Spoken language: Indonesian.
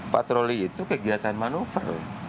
patroli itu kegiatan manuver